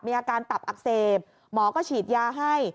อาการตับอักเสบหมอก็ฉีดยาให้